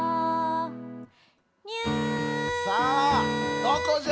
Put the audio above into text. さあどこじゃ？